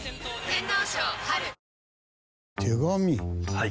はい。